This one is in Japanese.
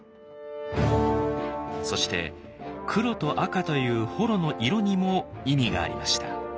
そして黒と赤という母衣の色にも意味がありました。